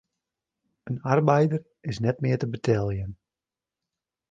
In arbeider is net mear te beteljen.